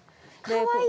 かわいい。